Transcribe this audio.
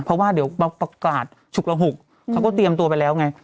เพราะว่าเดี๋ยวประกาศฉุกระหุกเขาก็เตรียมตัวไปแล้วไง